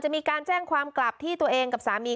มีการแจ้งความกลับที่ตัวเองกับสามี